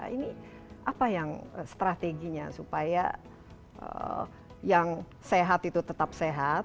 ini apa yang strateginya supaya yang sehat itu tetap sehat